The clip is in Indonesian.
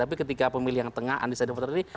tapi ketika pemilih yang tengah undecided voter ini